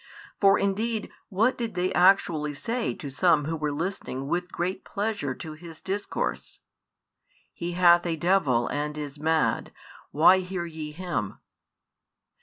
For indeed what did they actually say to some who were listening with great pleasure to His discourse? He hath a devil, and is mad; why hear ye Him?